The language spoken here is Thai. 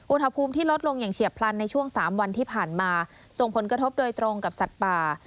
อุณหภูมิที่ลดลงอย่างเฉียบพลันในช่วง๓วันที่ผ่านมาส่งผลกระทบโดยตรงกับสัตว์ป่า